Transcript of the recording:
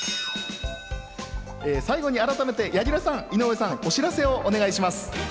最後に改めて柳楽さん、井上さん、お知らせをお願いします。